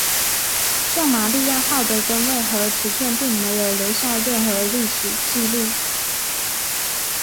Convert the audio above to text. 圣玛利亚号的吨位和尺寸并没有留下任何历史记录。